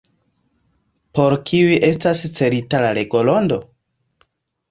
Por kiuj estas celita la legorondo?